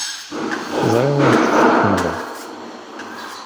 Ẓriɣ ur tt-tḥemmleḍ.